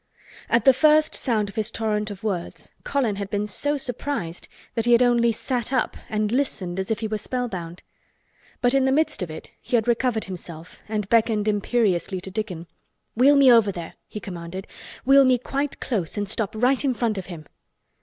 At the first sound of his torrent of words Colin had been so surprised that he had only sat up and listened as if he were spellbound. But in the midst of it he had recovered himself and beckoned imperiously to Dickon. "Wheel me over there!" he commanded. "Wheel me quite close and stop right in front of him!"